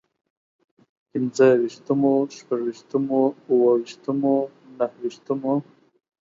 پنځه ويشتمو، شپږ ويشتمو، اووه ويشتمو، نهه ويشتمو